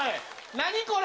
何これ？